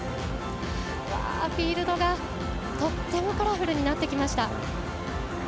フィールドが、とってもカラフルになってきました。